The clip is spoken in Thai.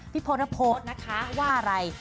พี่โพธจะโพธนะคะว่าอะไร